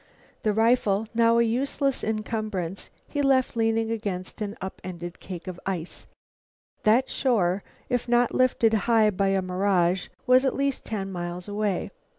The rifle, now a useless incumbrance, he left leaning against an up ended cake of ice. That shore, if not lifted high by a mirage, was at least ten miles away.